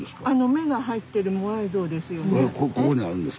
目が入ってるモアイ像です。